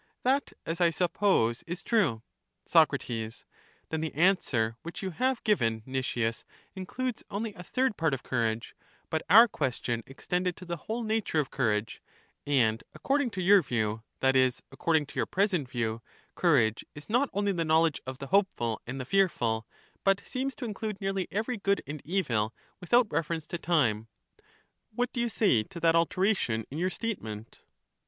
That, as I suppose, is true. Soc, Then the answer which you have given, Nicias, includes only a third part of courage; but our question extended to the whole nature of courage: and according to your view, that is, according to your c/ present view, courage is not only the knowledge of \^ the hopeful and the fearful, but seems to include ^' nearly every good and evil without reference to time. What do you say to that alteration in your state ment?